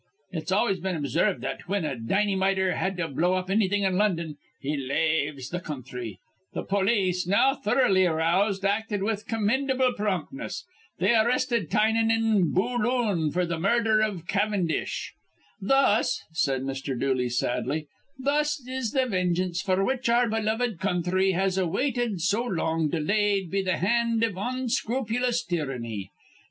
It's always been obsarved that, whin a dinnymiter had to blow up annything in London, he laves th' counthry. Th' polis, now thoroughly aroused, acted with commindable promptness. They arristed Tynan in Booloon f'r th' murdher iv Cavendish. "Thus," said Mr. Dooley, sadly, "thus is th' vengeance f'r which our beloved counthry has awaited so long delayed be th' hand iv onscrupulious tyranny.